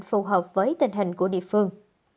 phù hợp với tình hình của địa phương